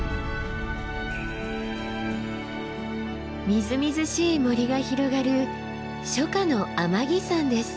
みずみずしい森が広がる初夏の天城山です。